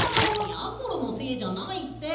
やころのせいじゃないって！